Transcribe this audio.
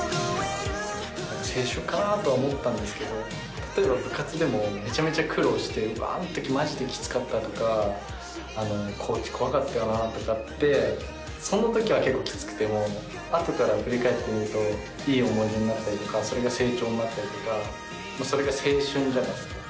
例えば部活でもめちゃめちゃ苦労して「うわあん時マジできつかった」とか「コーチ怖かったよな」とかってその時は結構きつくても後から振り返ってみるといい思い出になったりとかそれが成長になったりとかそれが青春じゃないですか。